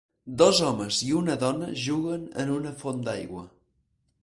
Dos homes i una dona juguen en una font d'aigua.